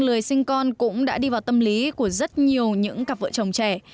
lười sinh con cũng đã đi vào tâm lý của rất nhiều những cặp vợ chồng trẻ